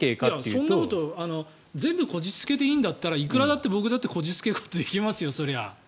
そんなこと全部こじつけでいいんだったらいくらでも僕だってこじつけることできますよ。